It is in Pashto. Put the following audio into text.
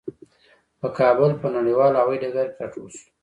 په کابل په نړیوال هوايي ډګر کې راټول شوو.